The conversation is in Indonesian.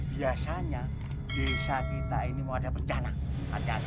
biasanya desa kita ini mau ada bencana hati hati bukarti